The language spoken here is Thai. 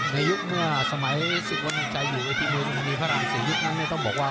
ในยุคเมื่อสมัยสิกวรรณชัยอยู่ไว้ที่มืนอีพิวน์สิยุคนั้นเนี่ยต้องบอกว่า